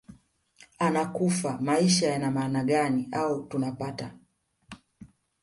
anakufa maisha yana maana gani au tunapata